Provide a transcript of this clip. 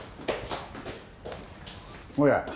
おや。